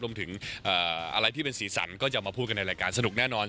รวมถึงอะไรที่เป็นสีสันก็จะมาพูดกันในรายการสนุกแน่นอน